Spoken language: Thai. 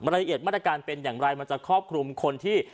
ละเอียดมาตรการเป็นอย่างไรมันจะครอบคลุมคนที่